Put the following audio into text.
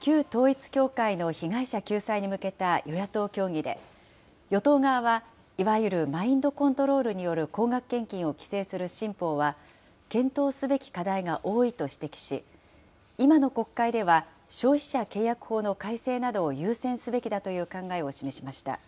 旧統一教会の被害者救済に向けた与野党協議で、与党側はいわゆるマインドコントロールによる高額献金を規制する新法は、検討すべき課題が多いと指摘し、今の国会では、消費者契約法の改正などを優先すべきだという考えを示しました。